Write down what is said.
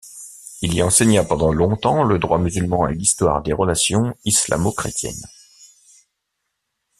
Il y enseigna pendant longtemps, le droit musulman et l'histoire des relations islamo-chrétiennes.